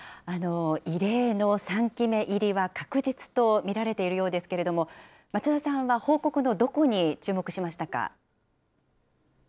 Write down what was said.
異例の３期目入りは確実と見られているようですけれども、松田さんは報告のどこに注目しましたか？